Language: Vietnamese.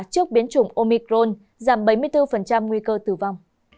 trước biến chủng omicron giảm bảy mươi bốn nguy cơ tử vong